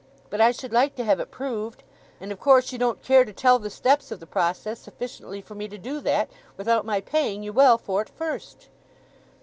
But I should like to have it proved; and of course you don't care to tell the steps of the process sufficiently for me to do that, without my paying ye well for't first."